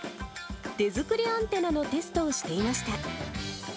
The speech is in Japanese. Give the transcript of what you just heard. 手作りアンテナのテストをしていました。